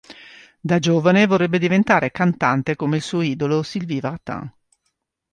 Da giovane vorrebbe diventare cantante come il suo idolo, Sylvie Vartan.